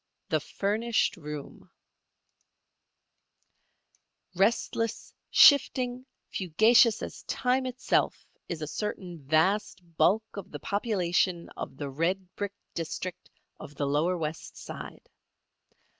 THE FURNISHED ROOM Restless, shifting, fugacious as time itself is a certain vast bulk of the population of the red brick district of the lower West Side.